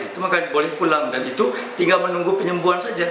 itu maka boleh pulang dan itu tinggal menunggu penyembuhan saja